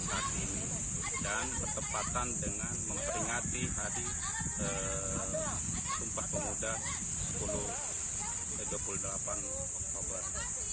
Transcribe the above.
dan pertempatan dengan memperingati hari sumpah pemuda dua puluh delapan oktober